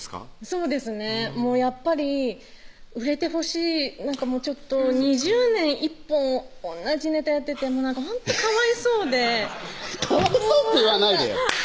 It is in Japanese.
そうですねやっぱり売れてほしいなんかもうちょっと２０年１本同じネタやっててなんかほんとかわいそうで「かわいそう」って言わないでよ